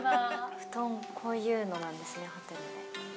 布団、こういうのなんですね、ホテルで。